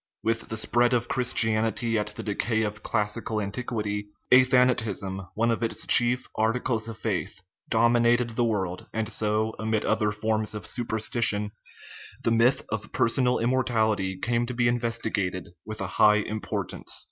With the spread of Christianity at the decay of classical antiquity, athanatism, one of its chief ar ticles of faith, dominated the world, and so, amid other forms of superstition, the myth of personal immortal ity came to be invested with a high importance.